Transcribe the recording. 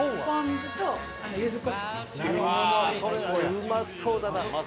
うまそうだな！